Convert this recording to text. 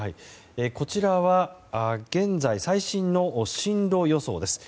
こちらは、現在最新の進路予想です。